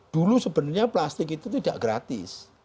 dulu sebenarnya plastik itu tidak gratis